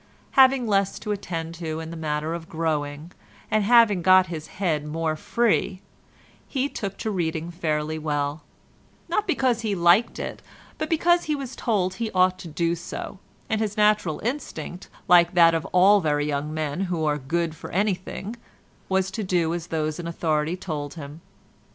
Having less to attend to in the matter of growing, and having got his head more free, he took to reading fairly well—not because he liked it, but because he was told he ought to do so, and his natural instinct, like that of all very young men who are good for anything, was to do as those in authority told him.